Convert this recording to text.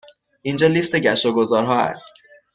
اینجا لیست گشت و گذار ها است.